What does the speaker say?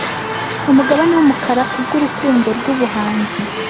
umugabane wumukara kubwurukundo rwubuhanzi